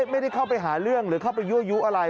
ไม่ได้เข้าไปหาเรื่องหรือเข้าไปยั่วยุอะไร